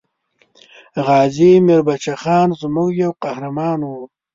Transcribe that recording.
غازي میر بچه خان زموږ یو قهرمان وو.